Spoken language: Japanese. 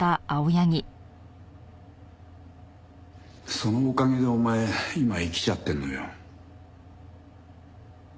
そのおかげでお前今生きちゃってるのよ。